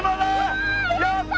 やった！